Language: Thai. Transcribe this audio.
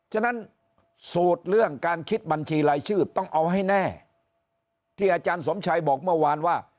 ฉะนั้นสูตรเรื่องการคิดบัญชีรายชื่อต้องเอาให้แน่ที่อาจารย์สมชัยบอกเมื่อวานว่า